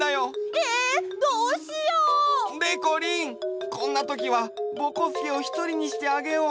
えどうしよう！でこりんこんなときはぼこすけをひとりにしてあげよう！